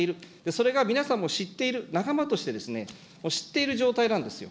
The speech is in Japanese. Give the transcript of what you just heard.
それが皆さんも知っている仲間として、知っている状態なんですよ。